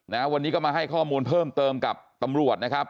นะวันนี้ก็มาให้ข้อมูลเพิ่มเติมกับตำรวจนะครับ